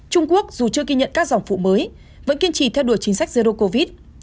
trung quốc dù chưa ghi nhận các dòng phụ mới vẫn kiên trì theo đuổi chính sách zero covid